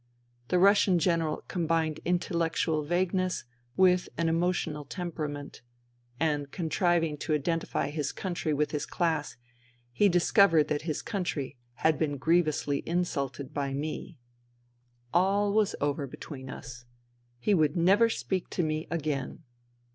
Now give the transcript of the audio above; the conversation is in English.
The Russian General combined intellectual vagueness with an emotional temperament ; and, contriving to identify his country with his class, he discovered that his country had been grievously insulted by me. All was over between us. He would never speak to me again.